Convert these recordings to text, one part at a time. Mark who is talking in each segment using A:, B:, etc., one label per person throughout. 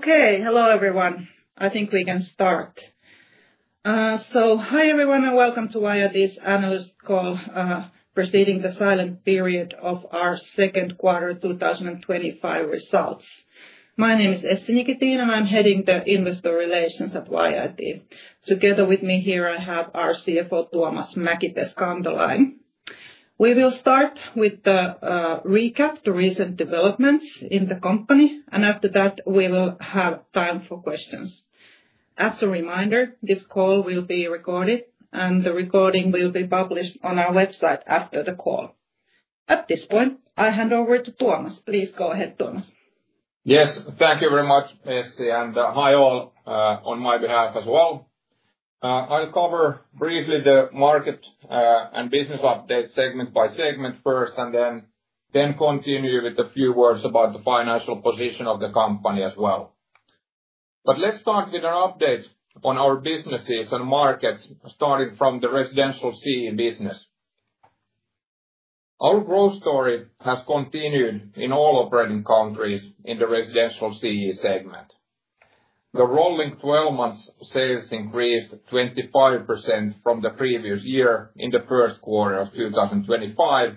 A: Okay, hello everyone. I think we can start. Hi everyone and welcome to YIT's analyst call preceding the silent period of our second quarter 2025 results. My name is Essi Nikitin and I'm heading the Investor Relations at YIT. Together with me here, I have our CFO, Tuomas Mäkipeska, on the line. We will start with the recap, the recent developments in the company, and after that, we will have time for questions. As a reminder, this call will be recorded and the recording will be published on our website after the call. At this point, I hand over to Tuomas. Please go ahead, Tuomas.
B: Yes, thank you very much, Essi, and hi all on my behalf as well. I'll cover briefly the market and business updates segment by segment first, and then continue with a few words about the financial position of the company as well. Let's start with an update on our businesses and markets, starting from the residential CEE business. Our growth story has continued in all operating countries in the residential CEE segment. The rolling 12-month sales increased 25% from the previous year in the first quarter of 2025,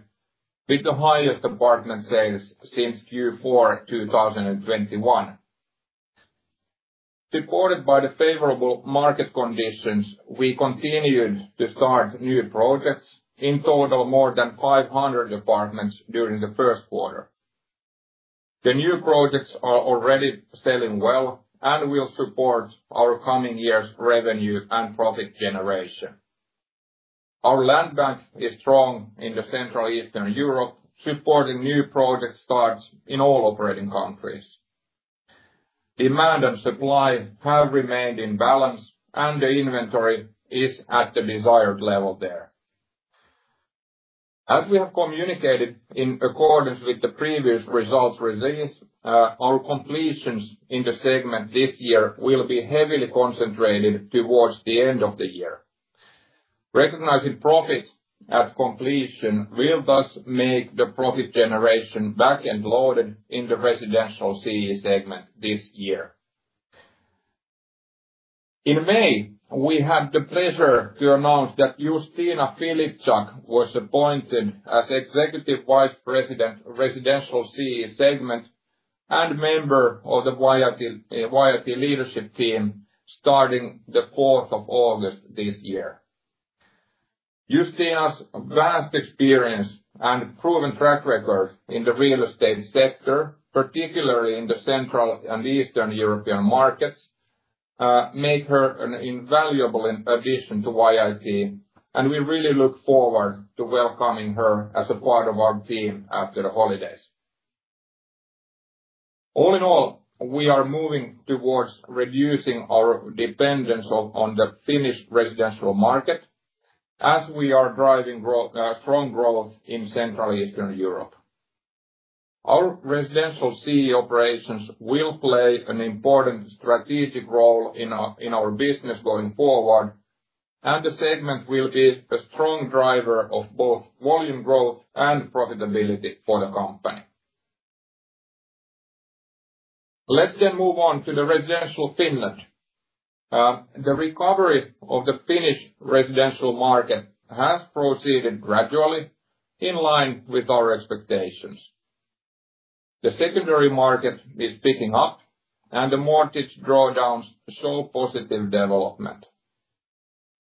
B: with the highest apartment sales since Q4 2021. Supported by the favorable market conditions, we continued to start new projects in total more than 500 apartments during the first quarter. The new projects are already selling well and will support our coming year's revenue and profit generation. Our land bank is strong in CEEntral and Eastern Europe, supporting new project starts in all operating countries. Demand and supply have remained in balance, and the inventory is at the desired level there. As we have communicated in accordance with the previous results release, our completions in the segment this year will be heavily concentrated towards the end of the year. Recognizing profit at completion will thus make the profit generation back-end loaded in the residential CEE segment this year. In May, we had the pleasure to announce that Justyna Filipczak was appointed as Executive Vice President, Residential CEE Segment, and member of the YIT leadership team starting the 4th of August this year. Justyna vast experience and proven track record in the real estate sector, particularly in the CEEntral and Eastern European markets, make her an invaluable addition to YIT, and we really look forward to welcoming her as a part of our team after the holidays. All in all, we are moving towards reducing our dependence on the Finnish residential market as we are driving strong growth in CEEntral and Eastern Europe. Our residential CEE operations will play an important strategic role in our business going forward, and the segment will be a strong driver of both volume growth and profitability for the company. Let's then move on to the residential Finland. The recovery of the Finnish residential market has proceeded gradually in line with our expectations. The secondary market is picking up, and the mortgage drawdowns show positive development.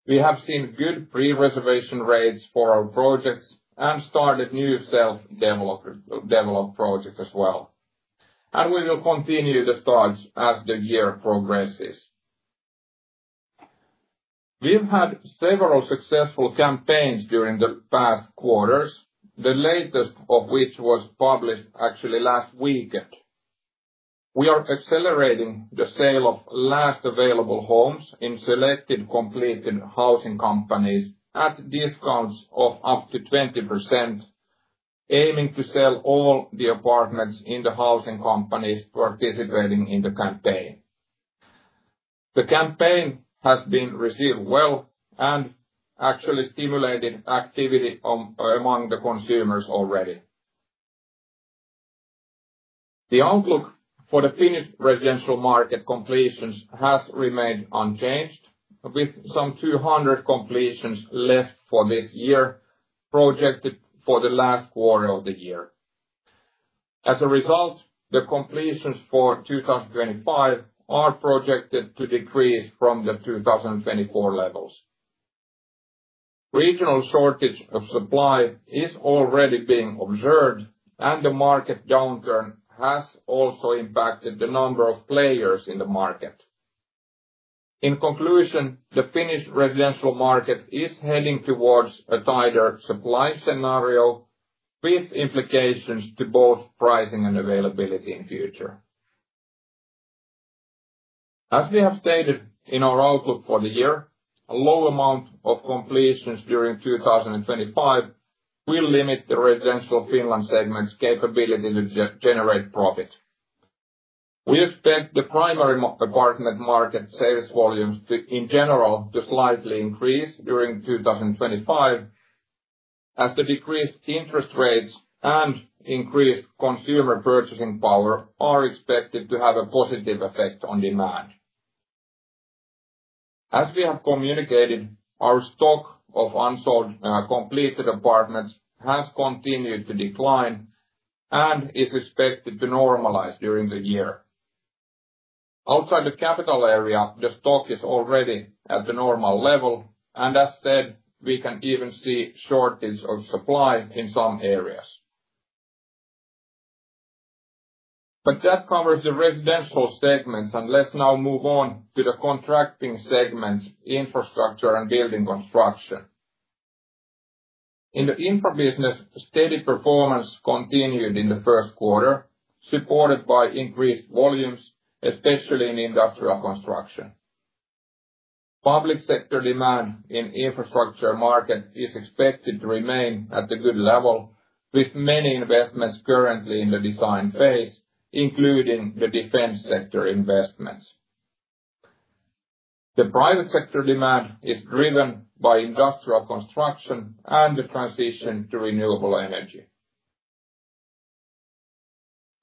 B: We have seen good pre-reservation rates for our projects and started new self-developed projects as well, and we will continue the starts as the year progresses. We've had several successful campaigns during the past quarters, the latest of which was published actually last weekend. We are accelerating the sale of last available homes in selected completed housing companies at discounts of up to 20%, aiming to sell all the apartments in the housing companies participating in the campaign. The campaign has been received well and actually stimulated activity among the consumers already. The outlook for the Finnish residential market completions has remained unchanged, with some 200 completions left for this year projected for the last quarter of the year. As a result, the completions for 2025 are projected to decrease from the 2024 levels. Regional shortage of supply is already being observed, and the market downturn has also impacted the number of players in the market. In conclusion, the Finnish residential market is heading towards a tighter supply scenario with implications to both pricing and availability in the future. As we have stated in our outlook for the year, a low amount of completions during 2025 will limit the Residential Finland segment's capability to generate profit. We expect the primary apartment market sales volumes in general to slightly increase during 2025, as the decreased interest rates and increased consumer purchasing power are expected to have a positive effect on demand. As we have communicated, our stock of unsold completed apartments has continued to decline and is expected to normalize during the year. Outside the capital area, the stock is already at the normal level, and as said, we can even see shortage of supply in some areas. That covers the residential segments, and let's now move on to the contracting segments, infrastructure and building construction. In the infra business, steady performance continued in the first quarter, supported by increased volumes, especially in industrial construction. Public sector demand in the infrastructure market is expected to remain at a good level, with many investments currently in the design phase, including the defense sector investments. The private sector demand is driven by industrial construction and the transition to renewable energy.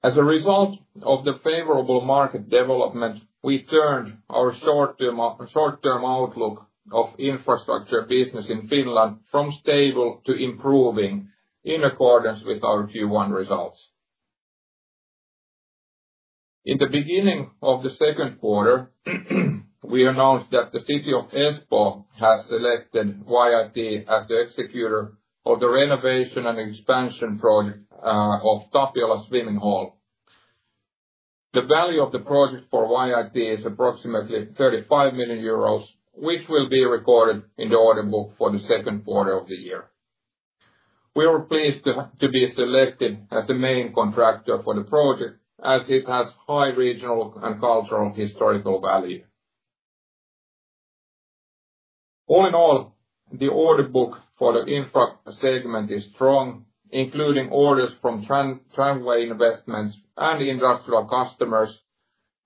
B: As a result of the favorable market development, we turned our short-term outlook of infrastructure business in Finland from stable to improving in accordance with our Q1 results. In the beginning of the second quarter, we announced that the city of Espoo has selected YIT as the executor of the renovation and expansion project of Tapiola Swimming Hall. The value of the project for YIT is approximately 35 million euros, which will be recorded in the order book for the second quarter of the year. We are pleased to be selected as the main contractor for the project, as it has high regional and cultural historical value. All in all, the order book for the infra segment is strong, including orders from tramway investments and industrial customers,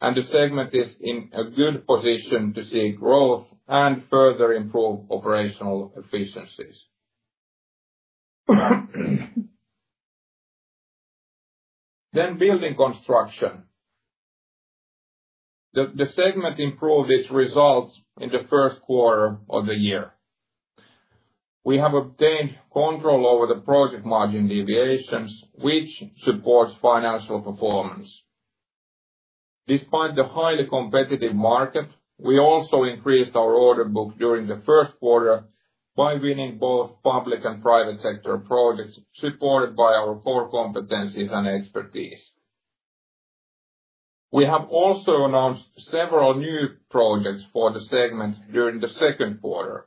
B: and the segment is in a good position to see growth and further improve operational efficiencies. Building construction. The segment improved its results in the first quarter of the year. We have obtained control over the project margin deviations, which supports financial performance. Despite the highly competitive market, we also increased our order book during the first quarter by winning both public and private sector projects supported by our core competencies and expertise. We have also announced several new projects for the segment during the second quarter.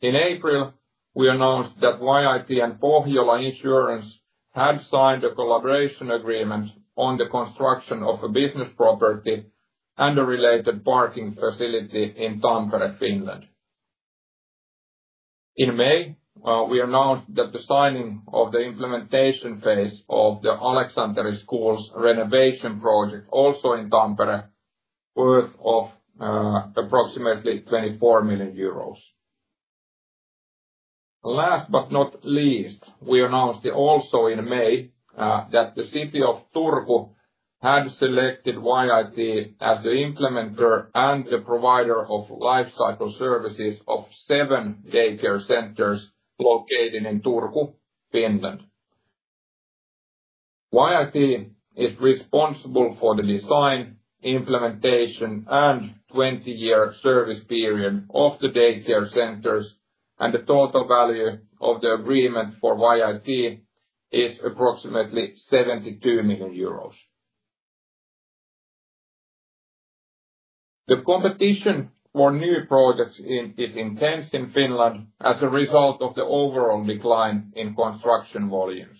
B: In April, we announced that YIT and Pohjola Insurance had signed a collaboration agreement on the construction of a business property and a related parking facility in Tampere, Finland. In May, we announced the signing of the implementation phase of the Aleksanteri Schools renovation project, also in Tampere, worth approximately 24 million euros. Last but not least, we announced also in May that the city of Turku had selected YIT as the implementer and the provider of life cycle services of seven daycare CEEnters located in Turku, Finland. YIT is responsible for the design, implementation, and 20-year service period of the daycare CEEnters, and the total value of the agreement for YIT is approximately EUR 72 million. The competition for new projects is intense in Finland as a result of the overall decline in construction volumes.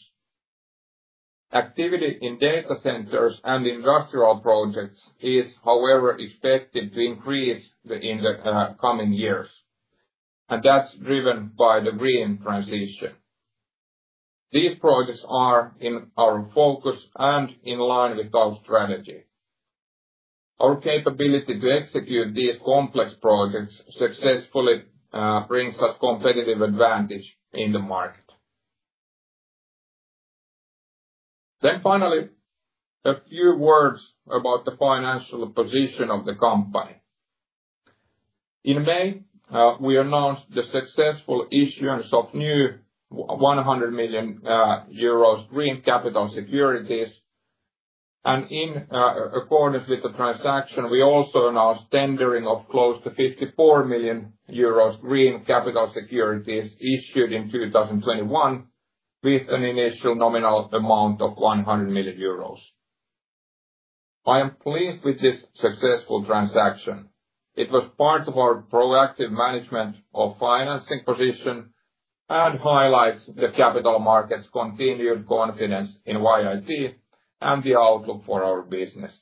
B: Activity in data CEEnters and industrial projects is, however, expected to increase in the coming years, and that's driven by the green transition. These projects are in our focus and in line with our strategy. Our capability to execute these complex projects successfully brings us competitive advantage in the market. Finally, a few words about the financial position of the company. In May, we announced the successful issuance of new 100 million euros green capital securities, and in accordance with the transaction, we also announced tendering of close to 54 million euros green capital securities issued in 2021 with an initial nominal amount of 100 million euros. I am pleased with this successful transaction. It was part of our proactive management of financing position and highlights the capital markets' continued confidence in YIT and the outlook for our business.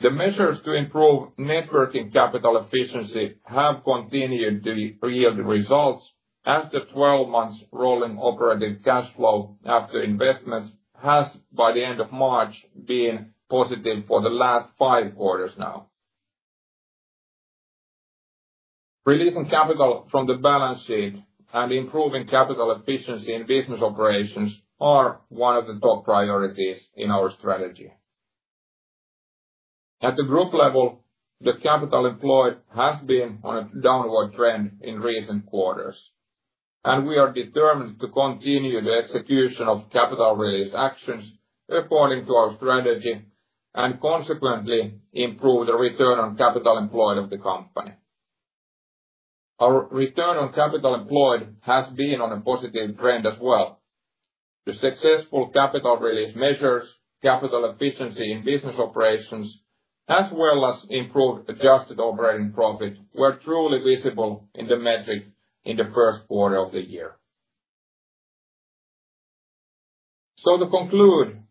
B: The measures to improve networking capital efficiency have continued to yield results as the 12-month rolling operating cash flow after investments has by the end of March been positive for the last five quarters now. Releasing capital from the balance sheet and improving capital efficiency in business operations are one of the top priorities in our strategy. At the group level, the capital employed has been on a downward trend in recent quarters, and we are determined to continue the execution of capital release actions according to our strategy and consequently improve the return on capital employed of the company. Our return on capital employed has been on a positive trend as well. The successful capital release measures, capital efficiency in business operations, as well as improved adjusted operating profit were truly visible in the metric in the first quarter of the year. To conclude,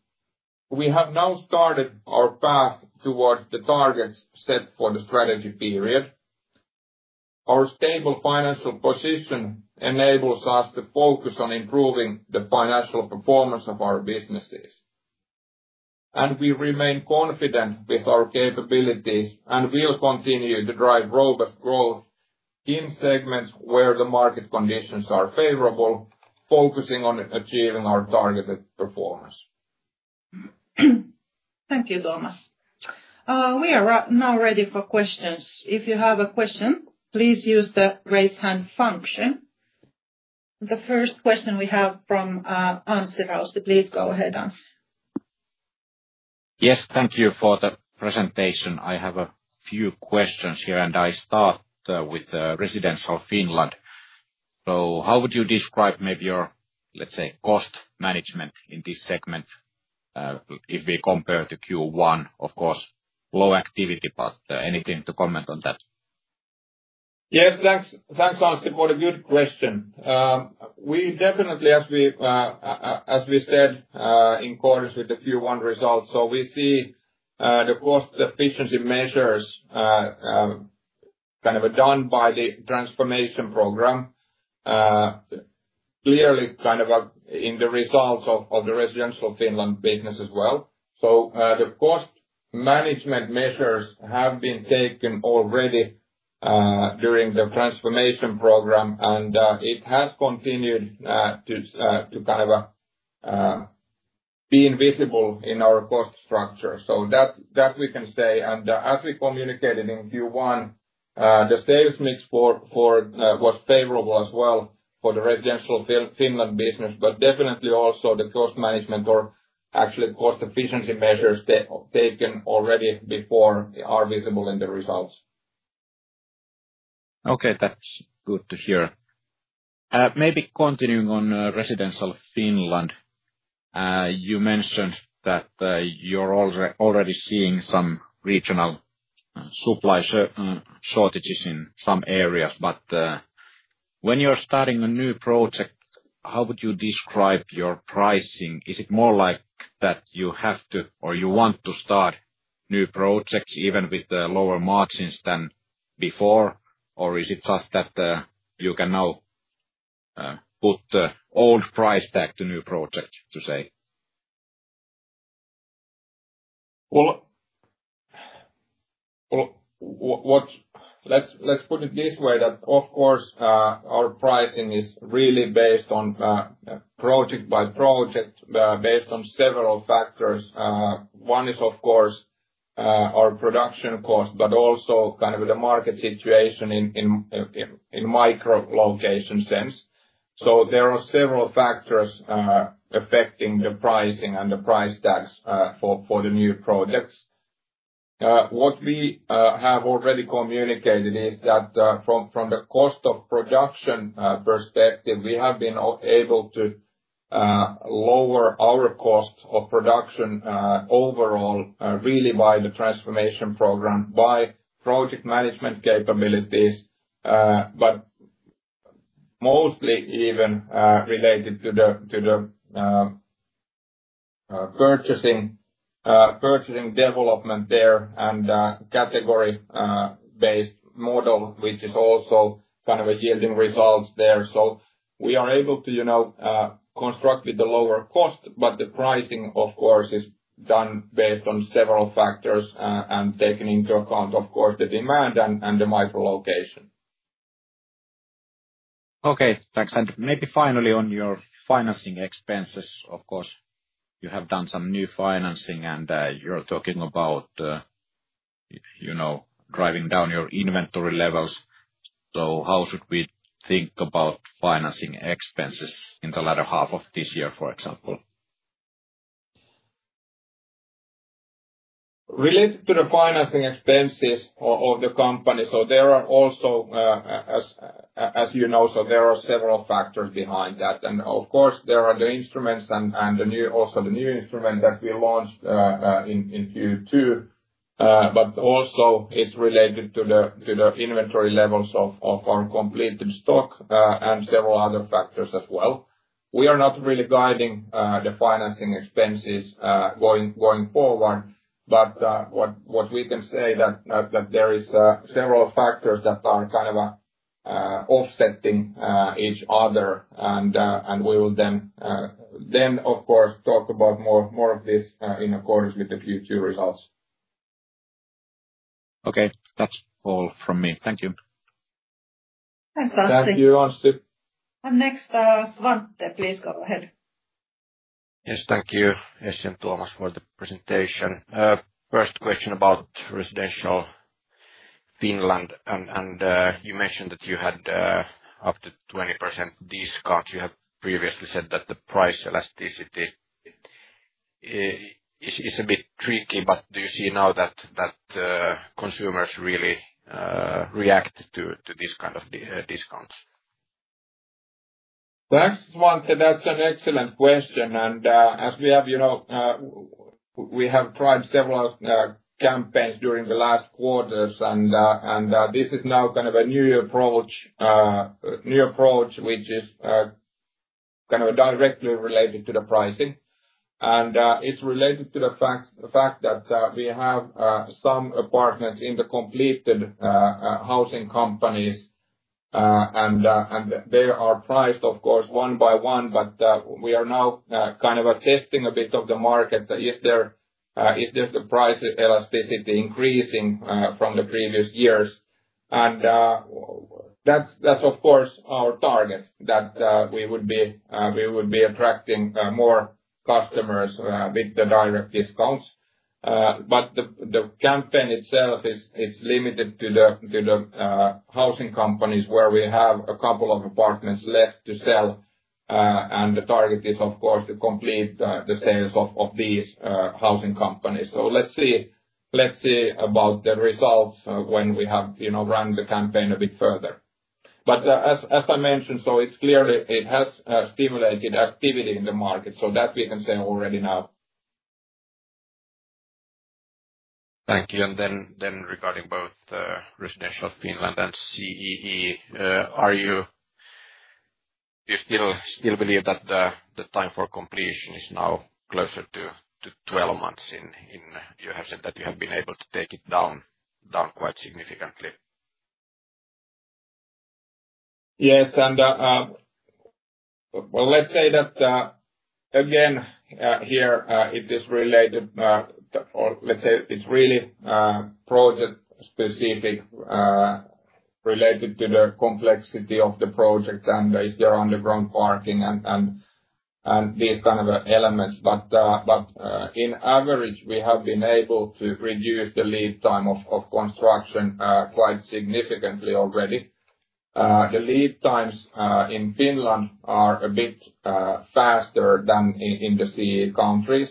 B: we have now started our path towards the targets set for the strategy period. Our stable financial position enables us to focus on improving the financial performance of our businesses, and we remain confident with our capabilities and will continue to drive robust growth in segments where the market conditions are favorable, focusing on achieving our targeted performance.
A: Thank you, Tuomas. We are now ready for questions. If you have a question, please use the raise hand function. The first question we have from Anssi Raussi, please go ahead, Anssi.
C: Yes, thank you for the presentation. I have a few questions here, and I start with residential Finland. How would you describe maybe your, let's say, cost management in this segment if we compare to Q1? Of course, low activity, but anything to comment on that? Yes, thanks, Anssi, for the good question. We definitely, as we said, in accordance with the Q1 results, we see the cost efficiency measures kind of done by the transformation program clearly kind of in the results of the residential Finland business as well. The cost management measures have been taken already during the transformation program, and it has continued to kind of be visible in our cost structure. That we can say, and as we communicated in Q1, the sales mix was favorable as well for the residential Finland business, but definitely also the cost management or actually cost efficiency measures taken already before are visible in the results. Okay, that's good to hear. Maybe continuing on residential Finland, you mentioned that you're already seeing some regional supply shortages in some areas, but when you're starting a new project, how would you describe your pricing? Is it more like that you have to or you want to start new projects even with lower margins than before, or is it just that you can now put the old price tag to new projects, to say? Let's put it this way that, of course, our pricing is really based on project by project, based on several factors. One is, of course, our production cost, but also kind of the market situation in micro-location sense. There are several factors affecting the pricing and the price tags for the new projects. What we have already communicated is that from the cost of production perspective, we have been able to lower our cost of production overall really by the transformation program, by project management capabilities, but mostly even related to the purchasing development there and category-based model, which is also kind of a yielding result there. We are able to construct with the lower cost, but the pricing, of course, is done based on several factors and taken into account, of course, the demand and the micro-location. Okay, thanks. Maybe finally on your financing expenses, of course, you have done some new financing and you are talking about driving down your inventory levels. How should we think about financing expenses in the latter half of this year, for example?
B: Related to the financing expenses of the company, there are also, as you know, several factors behind that. Of course, there are the instruments and also the new instrument that we launched in Q2, but also it is related to the inventory levels of our completed stock and several other factors as well. We are not really guiding the financing expenses going forward, but what we can say is that there are several factors that are kind of offsetting each other, and we will then, of course, talk about more of this in accordance with the Q2 results.
C: Okay, that is all from me. Thank you.
A: Thanks, Anssi.
B: Thank you, Anssi.
A: Next, Svante, please go ahead.
D: Yes, thank you, Essi and Tuomas, for the presentation. First question about residential Finland, and you mentioned that you had up to 20% discounts. You have previously said that the price elasticity is a bit tricky, but do you see now that consumers really react to this kind of discounts?
B: Thanks, Svante. That's anexcellent question. As we have tried several campaigns during the last quarters, this is now kind of a new approach, which is kind of directly related to the pricing. It is related to the fact that we have some apartments in the completed housing companies, and they are priced, of course, one by one, but we are now kind of testing a bit of the market. Is the price elasticity increasing from the previous years? That's, of course, our target, that we would be attracting more customers with the direct discounts. The campaign itself is limited to the housing companies where we have a couple of apartments left to sell, and the target is, of course, to complete the sales of these housing companies. Let's see about the results when we have run the campaign a bit further. As I mentioned, it has clearly stimulated activity in the market, so that we can say already now.
D: Thank you. Regarding both residential Finland and CEE, do you still believe that the time for completion is now closer to 12 months? You have said that you have been able to take it down quite significantly.
B: Yes. Let's say that again here it is related, or let's say it's really project-specific related to the complexity of the project and if there are underground parking and these kind of elements. In average, we have been able to reduce the lead time of construction quite significantly already. The lead times in Finland are a bit faster than in the CEE countries,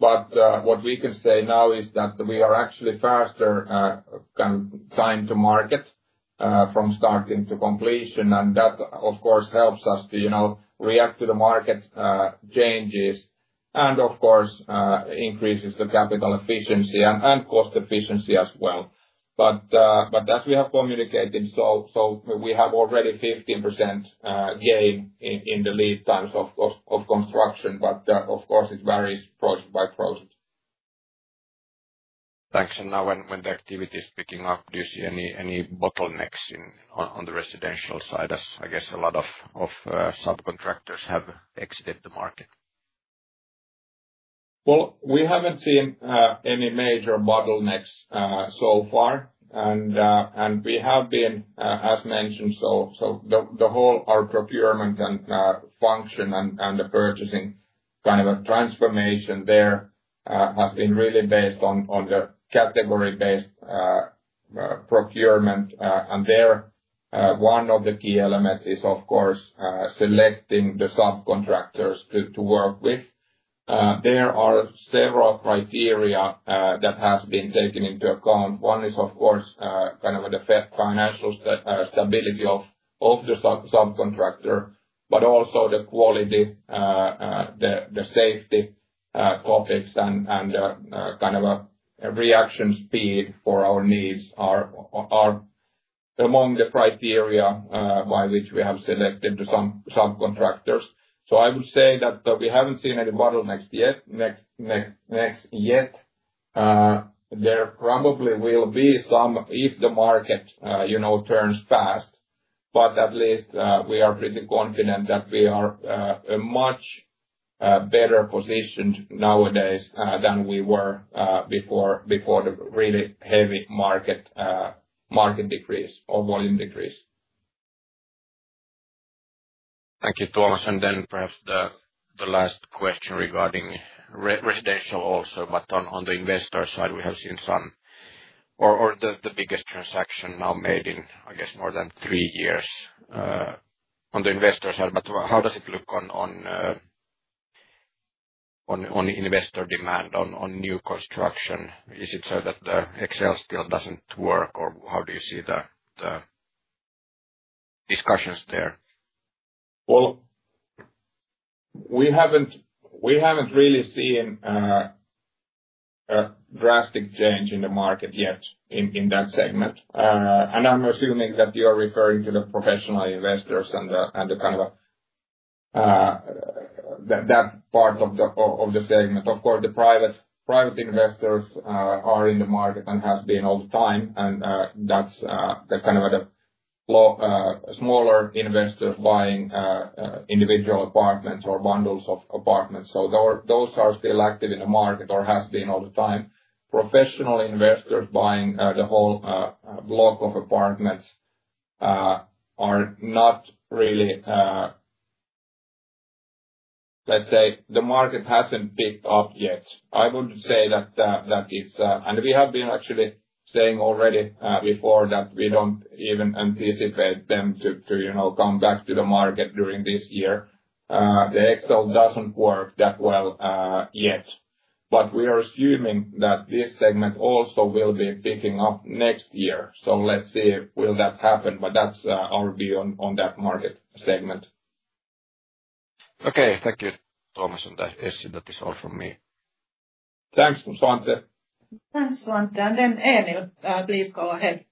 B: but what we can say now is that we are actually faster kind of time to market from starting to completion, and that, of course, helps us to react to the market changes and, of course, increases the capital efficiency and cost efficiency as well. As we have communicated, we have already 15% gain in the lead times of construction, but of course, it varies project by project.
D: Thanks. Now when the activity is picking up, do you see any bottlenecks on the residential side as I guess a lot of subcontractors have exited the market?
B: We have not seen any major bottlenecks so far, and we have been, as mentioned, so the whole procurement function and the purchasing kind of transformation there has been really based on the category-based procurement, and there one of the key elements is, of course, selecting the subcontractors to work with. There are several criteria that have been taken into account. One is, of course, kind of the financial stability of the subcontractor, but also the quality, the safety topics, and kind of a reaction speed for our needs are among the criteria by which we have selected the subcontractors. I would say that we have not seen any bottlenecks yet. There probably will be some if the market turns fast, but at least we are pretty confident that we are much better positioned nowadays than we were before the really heavy market decrease or volume decrease.
D: Thank you, Tuomas. Perhaps the last question regarding residential also, but on the investor side, we have seen some or the biggest transaction now made in, I guess, more than three years on the investor side. How does it look on investor demand on new construction? Is it so that the excel still does not work, or how do you see the discussions there?
B: We have not really seen a drastic change in the market yet in that segment, and I am assuming that you are referring to the professional investors and kind of that part of the segment. Of course, the private investors are in the market and have been all the time, and that is kind of the smaller investors buying individual apartments or bundles of apartments. Those are still active in the market or have been all the time. Professional investors buying the whole block of apartments are not really, let's say, the market hasn't picked up yet. I would say that it's, and we have been actually saying already before that we don't even anticipate them to come back to the market during this year. The Excel doesn't work that well yet, but we are assuming that this segment also will be picking up next year. Let's see if that happens, but that's our view on that market segment.
D: Okay, thank you, Tuomas, and Essi, that is all from me.
B: Thanks, Svante.
A: Thanks, Svante. Emil, please go ahead.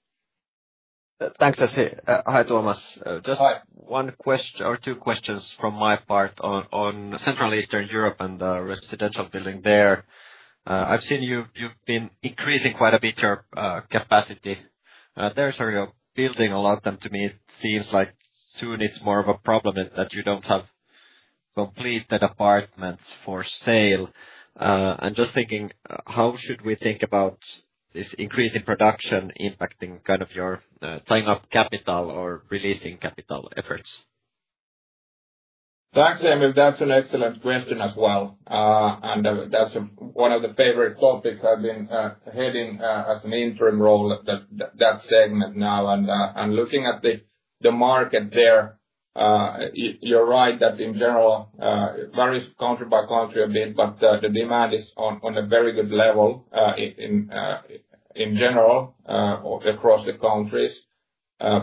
E: Thanks, Essi. Hi, Tuomas. Just one question or two questions from my part on CEEntral and Eastern Europe and the residential building there. I've seen you've been increasing quite a bit your capacity. There's a real building a lot of them to me. It seems like soon it's more of a problem that you don't have completed apartments for sale. I'm just thinking, how should we think about this increasing production impacting kind of your tying up capital or releasing capital efforts?
B: Thanks, Emil. That's an excellent question as well, and that's one of the favorite topics I've been heading as an interim role at that segment now. Looking at the market there, you're right that in general, varies country by country a bit, but the demand is on a very good level in general across the countries.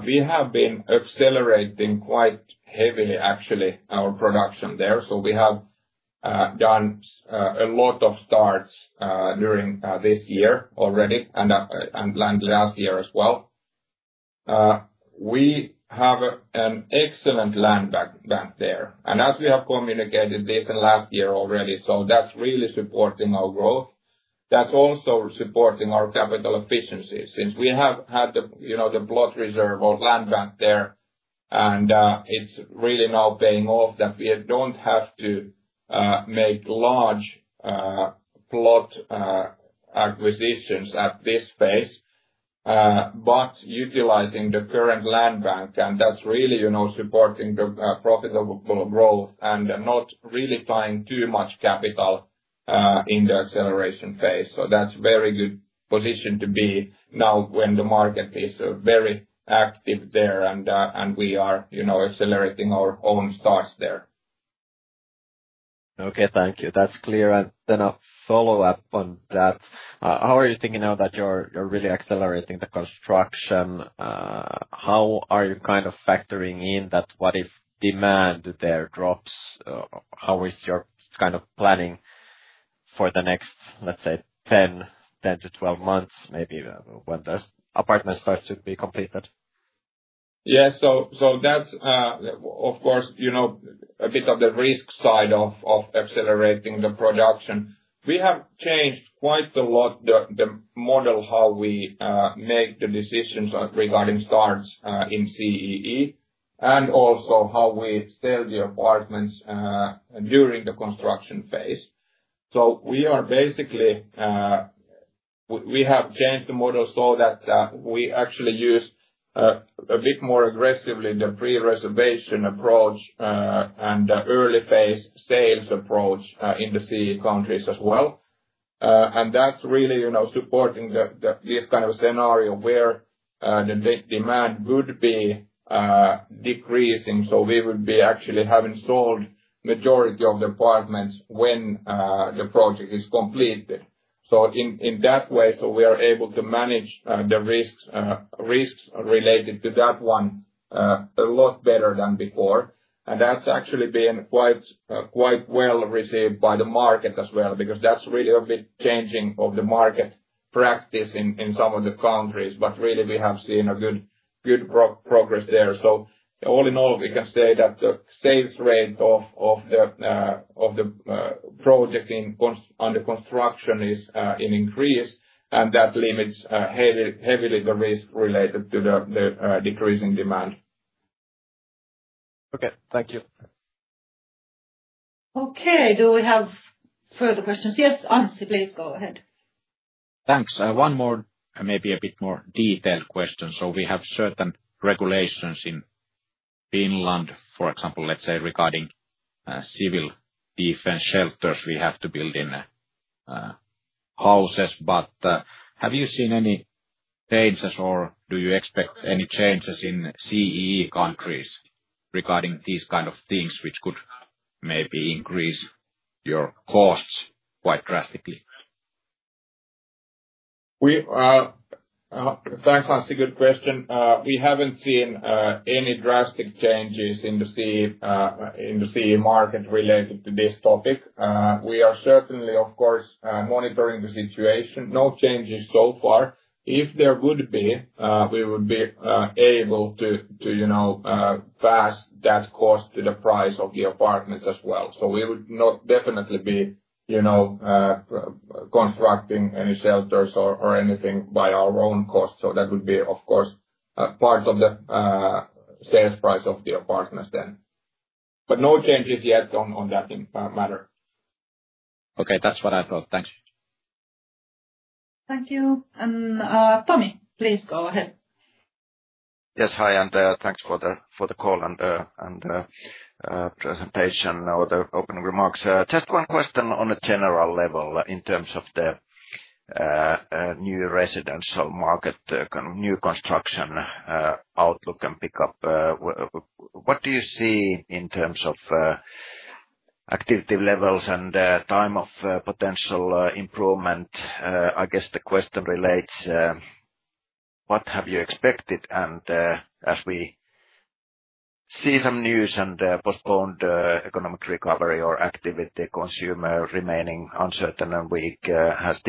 B: We have been accelerating quite heavily, actually, our production there. We have done a lot of starts during this year already and last year as well. We have an excellent land bank there, and as we have communicated this last year already, that's really supporting our growth. That's also supporting our capital efficiency since we have had the plot reserve or land bank there, and it's really now paying off that we don't have to make large plot acquisitions at this phase, but utilizing the current land bank, and that's really supporting the profitable growth and not really tying too much capital in the acceleration phase. That's a very good position to be now when the market is very active there, and we are accelerating our own starts there.
E: Okay, thank you. That's clear. And then a follow-up on that. How are you thinking now that you're really accelerating the construction? How are you kind of factoring in that what if demand there drops? How is your kind of planning for the next, let's say, 10-12 months, maybe when the apartment starts to be completed?
B: Yeah, so that's, of course, a bit of the risk side of accelerating the production. We have changed quite a lot the model how we make the decisions regarding starts in CEE and also how we sell the apartments during the construction phase. We have changed the model so that we actually use a bit more aggressively the pre-reservation approach and early phase sales approach in the CEE countries as well. That is really supporting this kind of scenario where the demand would be decreasing. We would be actually having sold the majority of the apartments when the project is completed. In that way, we are able to manage the risks related to that one a lot better than before. That has actually been quite well received by the market as well because that is really a bit changing of the market practice in some of the countries, but really we have seen good progress there. All in all, we can say that the sales rate of the project under construction is in increase, and that limits heavily the risk related to the decreasing demand.
E: Okay, thank you.
A: Okay, do we have further questions? Yes, Anssi, please go ahead.
C: Thanks. One more, maybe a bit more detailed question. We have CEErtain regulations in Finland, for example, let's say regarding civil defense shelters. We have to build in houses, but have you seen any changes or do you expect any changes in CEE countries regarding these kind of things which could maybe increase your costs quite drastically?
B: Thanks, Anssi. Good question. We haven't seen any drastic changes in the CEEE market related to this topic. We are CEErtainly, of course, monitoring the situation. No changes so far. If there would be, we would be able to pass that cost to the price of the apartments as well. We would definitely not be constructing any shelters or anything by our own cost. That would be, of course, part of the sales price of the apartments then. No changes yet on that matter.
C: Okay, that's what I thought. Thanks.
A: Thank you. Tommi, please go ahead.
F: Yes, hi. Thanks for the call and the presentation or the opening remarks. Just one question on a general level in terms of the new residential market, kind of new construction outlook and pickup. What do you see in terms of activity levels and time of potential improvement? I guess the question relates, what have you expected? As we see some news and postponed economic recovery or activity, consumer remaining uncertain and weak, has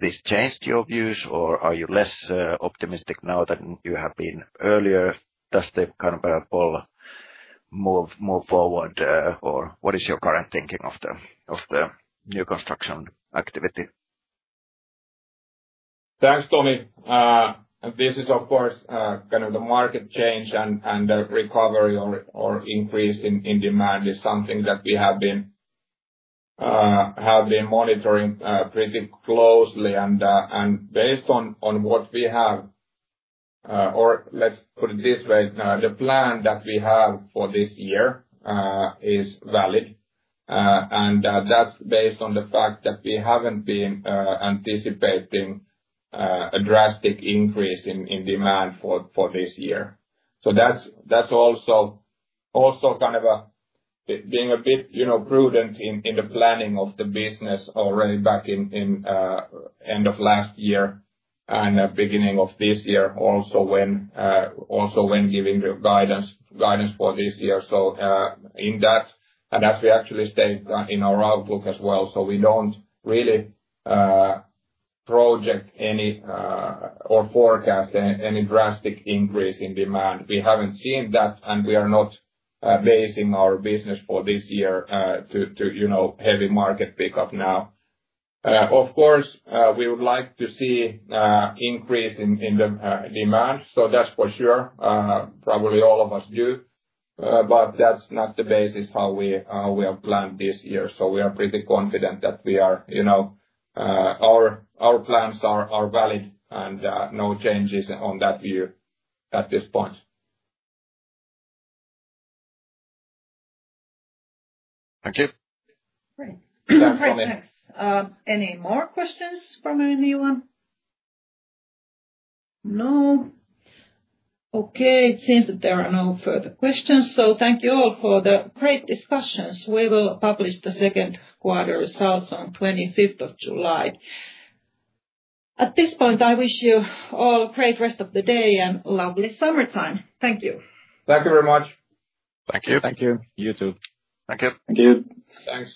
F: this changed your views, or are you less optimistic now than you have been earlier? Does the kind of bubble move forward, or what is your current thinking of the new construction activity?
B: Thanks, Tommi. This is, of course, kind of the market change and the recovery or increase in demand is something that we have been monitoring pretty closely. Based on what we have, or let's put it this way, the plan that we have for this year is valid, and that's based on the fact that we haven't been anticipating a drastic increase in demand for this year. That's also kind of being a bit prudent in the planning of the business already back in the end of last year and beginning of this year, also when giving the guidance for this year. In that, and as we actually state in our outlook as well, we do not really project any or forecast any drastic increase in demand. We have not seen that, and we are not basing our business for this year on heavy market pickup now. Of course, we would like to see an increase in the demand, that's for sure. Probably all of us do, but that's not the basis how we have planned this year. We are pretty confident that our plans are valid and no changes on that view at this point.
F: Thank you. Great.
A: Thanks, Tommi. Any more questions from anyone? No? Okay, it seems that there are no further questions. Thank you all for the great discussions. We will publish the second quarter results on 25th of July. At this point, I wish you all a great rest of the day and lovely summertime. Thank you.
B: Thank you very much.
C: Thank you.
D: Thank you. You too.
E: Thank you.
F: Thank you. Thanks.